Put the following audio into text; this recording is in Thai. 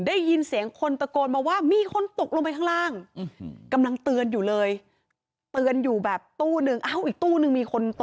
ได้ยินเสียงคนตะโกนมาว่ามีคนตกลงไปข้างล่าง